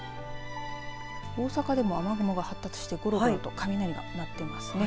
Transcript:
大阪でも雨雲が発達してゴロゴロと雷が鳴っていますね。